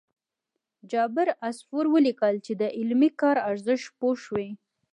جابر عصفور ولیکل چې د علمي کار ارزښت پوه شوي.